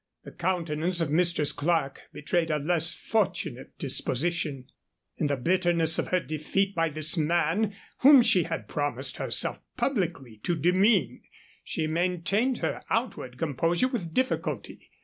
The countenance of Mistress Clerke betrayed a less fortunate disposition. In the bitterness of her defeat by this man whom she had promised herself publicly to demean, she maintained her outward composure with difficulty.